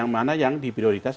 mana yang di prioritas